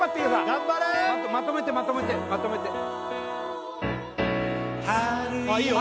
頑張れちゃんとまとめてまとめてまとめていいよ！